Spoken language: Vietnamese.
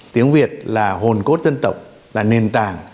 tiếng việt là hồn cốt dân tộc là nền tảng